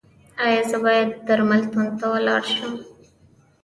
ایا زه باید درملتون ته لاړ شم؟